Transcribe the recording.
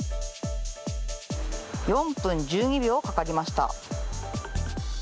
４分１２秒かかりました。